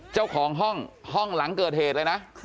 เจ้าของห้องห้องหลังเกิดเหตุเลยนะ